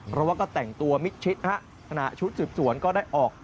เพราะว่าก็แต่งตัวมิดชิดฮะขณะชุดสืบสวนก็ได้ออก